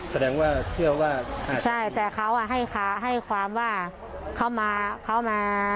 แสดงว่าเชื่อว่าใช่แต่เขาอ่ะให้ความว่าเขามาเขามา